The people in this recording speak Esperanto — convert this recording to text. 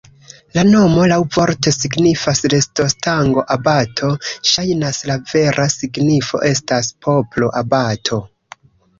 La nomo laŭvorte signifas rostostango-abato, ŝajnas, la vera signifo estas poplo-abato.